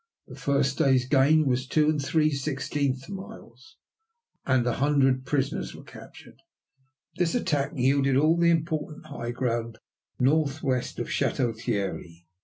The first day's gain was two and three sixteenth miles and 100 prisoners were captured. This attack yielded all the important high ground northwest of Château Thierry.